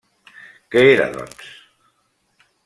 Què era, doncs?